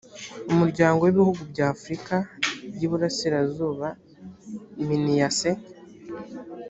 umuryango w’ibihugu by’afurika y’iburasirazuba mineac